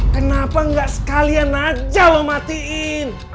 kenapa gak sekalian aja lo matiin